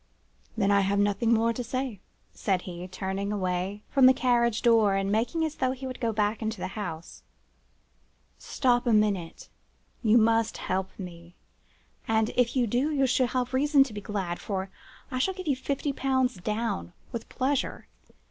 "'Then I have nothing more to say,' said he, turning away from the carriage door, and making as though he would go back into the house. "'Stop a moment. You must help me; and, if you do, you shall have reason to be glad, for I will give you fifty pounds down with pleasure.